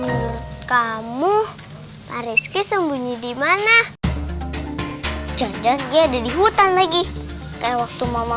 hai kamu pak rizn sembunyi di mana coklat dia ada di hutan lagi kayak waktu mampu tattoo